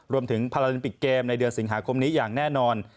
พาราลิมปิกเกมในเดือนสิงหาคมนี้อย่างแน่นอน